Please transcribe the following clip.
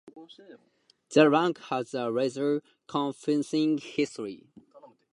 The rank has a rather confusing history.